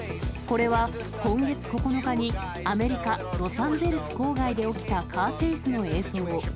これは今月９日にアメリカ・ロサンゼルス郊外で起きたカーチェイスの映像。